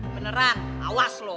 beneran awas lo